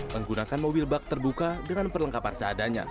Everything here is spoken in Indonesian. menggunakan mobil bak terbuka dengan perlengkapan seadanya